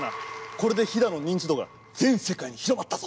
これで飛騨の認知度が全世界に広まったぞ！